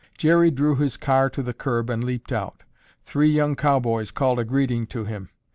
Jerry drew his car to the curb and leaped out. Three young cowboys called a greeting to him.